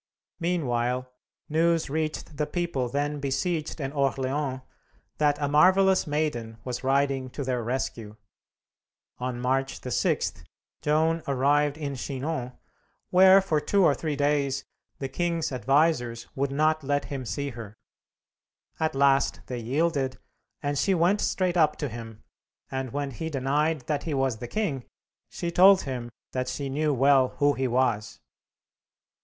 Meanwhile, news reached the people then besieged in Orleans that a marvellous Maiden was riding to their rescue. On March 6, Joan arrived in Chinon where for two or three days the king's advisers would not let him see her. At last they yielded, and she went straight up to him, and when he denied that he was the king, she told him that she knew well who he was.